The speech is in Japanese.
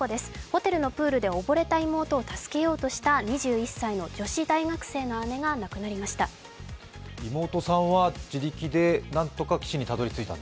ホテルのプールで溺れた妹を助けようとした２１歳の女子大学生の姉が亡くなりました。